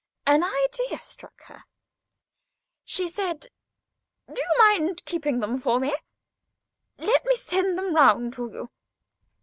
An idea struck her. She said: "Do you mind keeping them for him? Let me send them round to you."